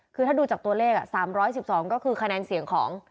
คือถ้าดูจากตัวเลข๓๑๒ก็คือคะแนนเสียงของ